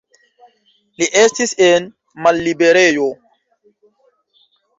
Li estis en malliberejo.